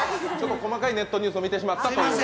細かいネットニュースを見てしまったと。